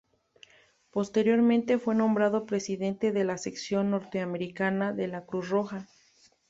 Posteriormente fue nombrado presidente de la sección norteamericana de la Cruz Roja.